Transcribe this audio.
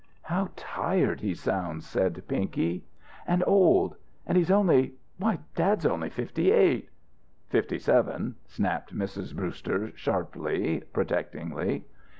"How tired he sounds," said Pinky; "and old. And he's only why, dad's only fifty eight." "Fifty seven," snapped Mrs. Brewster sharply, protectingly.